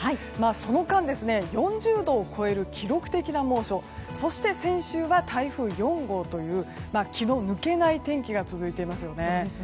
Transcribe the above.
その間、４０度を超える記録的な猛暑そして、先週は台風４号という気の抜けない天気が続いていますよね。